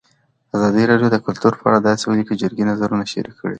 ازادي راډیو د کلتور په اړه د ولسي جرګې نظرونه شریک کړي.